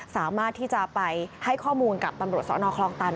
สามารถที่จะไปให้ข้อมูลกับตำรวจสนคลองตัน